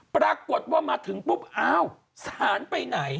ปรากฏว่ามาถึงปุ๊บอ้าวสารไปไหน